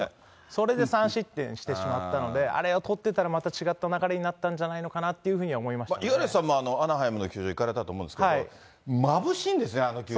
それで３失点してしまったので、あれを捕ってたらまた違った流れになっていたんではないかなと思五十嵐さんもアナハイムの球場行かれたと思うんですけど、まぶしいんですね、あの球場。